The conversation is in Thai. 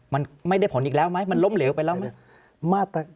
มันไม่ได้ผลอีกแล้วไหมมันล้มเหลวไปแล้วไหม